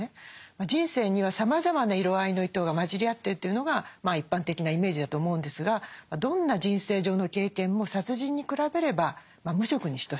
人生にはさまざまな色合いの糸が混じり合ってるというのが一般的なイメージだと思うんですがどんな人生上の経験も殺人に比べれば無色に等しい。